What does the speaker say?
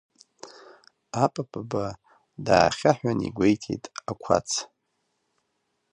Апапба даахьаҳәын игәеиҭеит ақәац…